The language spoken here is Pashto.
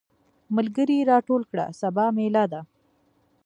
ملګري راټول کړه سبا ميله ده.